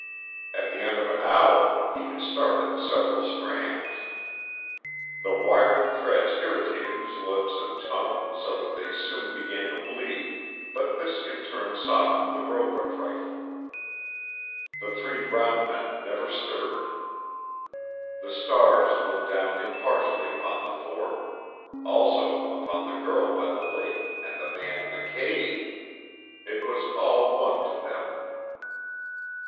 At the end of an hour he had started several strands. The wiry threads irritated his lips and tongue so that they soon began to bleed, but this in turn softened the rope a trifle. The three brown men never stirred. The stars looked down impartially upon the four; also upon the girl by the lake and the man in the cave. It was all one to them.